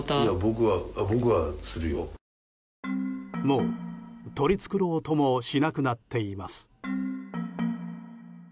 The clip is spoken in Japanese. もう取り繕おうともしなくなっています。